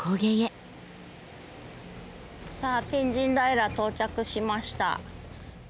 さあ天神平到着しました。